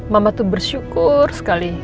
mama tuh bersyukur sekali